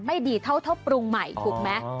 ไม่ดีเท่าปรุงใหม่ถูกไหม